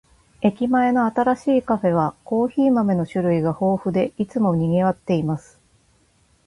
駅前の新しいカフェは、コーヒー豆の種類が豊富で、いつも賑わっています。